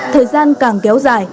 thời gian càng kéo dài